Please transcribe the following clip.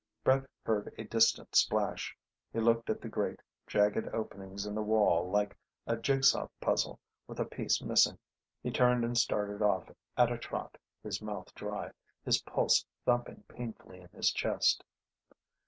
Brett heard a distant splash. He looked at the great jagged opening in the wall like a jigsaw picture with a piece missing. He turned and started off at a trot, his mouth dry, his pulse thumping painfully in his chest.